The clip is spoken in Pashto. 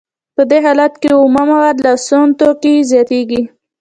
په دې حالت کې اومه مواد او سون توکي زیاتېږي